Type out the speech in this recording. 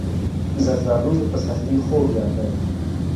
زردالو د پسرلي خوږ یاد دی.